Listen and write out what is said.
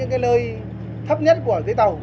cái lơi thấp nhất của dưới tàu